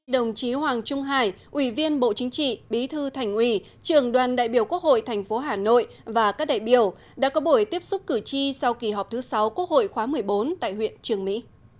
đồng chí hoàng trung hải ủy viên bộ chính trị bí thư thành ủy trường đoàn đại biểu quốc hội thành phố hà nội và các đại biểu đã có buổi tiếp xúc cử tri sau kỳ họp thứ sáu quốc hội khóa một mươi bốn tại huyện trường mỹ